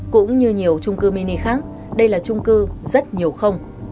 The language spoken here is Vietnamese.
cũng như nhiều trung cư mini khác đây là trung cư rất nhiều không